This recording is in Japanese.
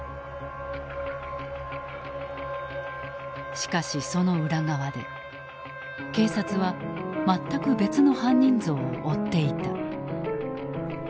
しかしその裏側で警察は全く別の犯人像を追っていた。